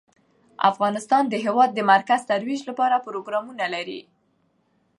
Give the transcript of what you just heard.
افغانستان د هېواد د مرکز ترویج لپاره پروګرامونه لري.